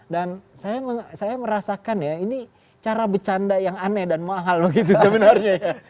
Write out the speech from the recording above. dan saya merasakan ya ini cara becanda yang aneh dan mahal gitu sebenarnya ya